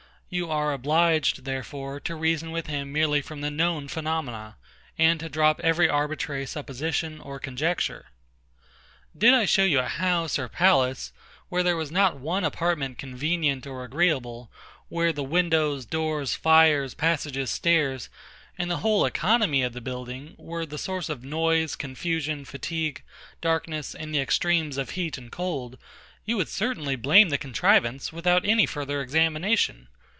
You are obliged, therefore, to reason with him merely from the known phenomena, and to drop every arbitrary supposition or conjecture. Did I show you a house or palace, where there was not one apartment convenient or agreeable; where the windows, doors, fires, passages, stairs, and the whole economy of the building, were the source of noise, confusion, fatigue, darkness, and the extremes of heat and cold; you would certainly blame the contrivance, without any further examination.